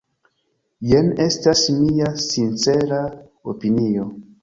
Jen estas mia sincera opinio.